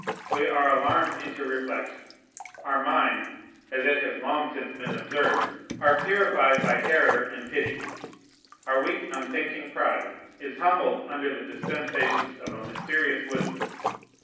We are alarmed into reflection; our minds (as it has long since been observed) are purified by terror and pity; our weak, unthinking pride is humbled under the dispensations of a mysterious wisdom.